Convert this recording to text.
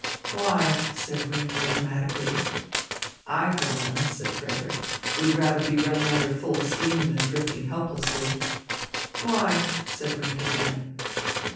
"Why?" said Rinck phlegmatically. "I for one," said Frederick, "would rather be running under full steam than drifting helplessly." "Why?" said Mr. Rinck again.